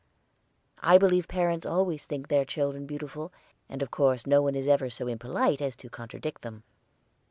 I believe parents always think their children beautiful, and of course no one is ever so impolite as to contradict them.